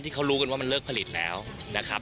ที่เขารู้กันว่ามันเลิกผลิตแล้วนะครับ